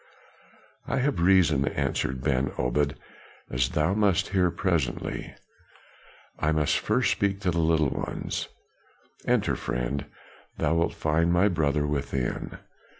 "I have reason," answered Ben Obed, "as thou must hear presently." "I must first speak to the little ones. Enter, friend, thou wilt find my brother within.